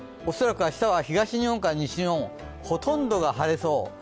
恐らく明日は東日本から西日本、ほとんどが晴れそう。